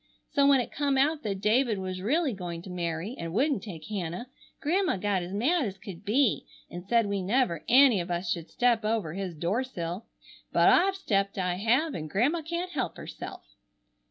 So when it come out that David was really going to marry, and wouldn't take Hannah, Grandma got as mad as could be and said we never any of us should step over his door sill. But I've stepped, I have, and Grandma can't help herself."